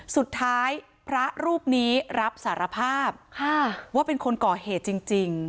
สุดท้ายพระรูปนี้รับสารภาพว่าเป็นคนก่อเหตุจริง